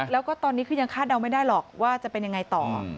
แล้วก็ตอนนี้คือยังคาดเดาไม่ได้หรอกว่าจะเป็นยังไงต่อ